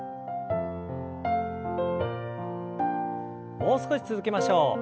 もう少し続けましょう。